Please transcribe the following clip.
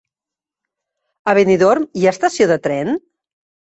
A Benidorm hi ha estació de tren?